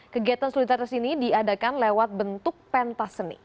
kegiatan solidaritas ini diadakan lewat bentuk pentas seni